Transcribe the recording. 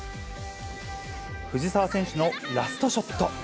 藤澤選手のラストショット。